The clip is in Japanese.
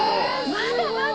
まだまだ！